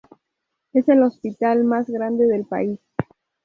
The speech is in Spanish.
Es el hospital más grande del país.